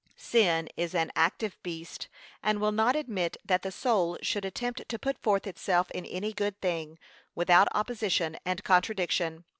Sin is an active beast, and will not admit that the soul should attempt to put forth itself in any good thing, without opposition and contradiction.